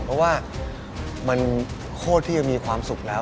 เพราะว่ามันโคตรที่จะมีความสุขแล้ว